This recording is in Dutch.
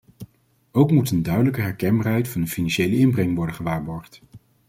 Ook moet een duidelijker herkenbaarheid van de financiële inbreng worden gewaarborgd.